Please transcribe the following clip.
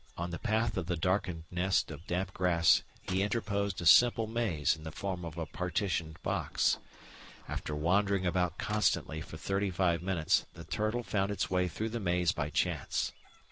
On the path of the darkened nest of damp grass he interposed a simple maze in the form of a partitioned box. After wandering about constantly for thirty five minutes the turtle found its way through the maze by chance.